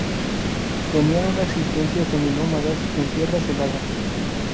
Tenían una existencia seminómada en tierras heladas.